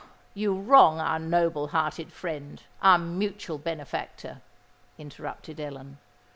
you wrong our noble hearted friend—our mutual benefactor," interrupted Ellen.